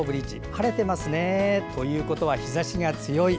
晴れてますね。ということは、日ざしが強い。